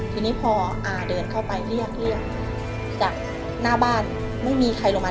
ทีนี้พออาเดินเข้าไปเรียกเรียกจากหน้าบ้านไม่มีใครลงมา